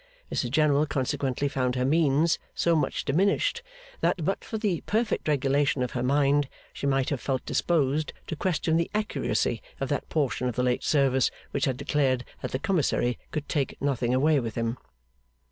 Mrs General consequently found her means so much diminished, that, but for the perfect regulation of her mind, she might have felt disposed to question the accuracy of that portion of the late service which had declared that the commissary could take nothing away with him.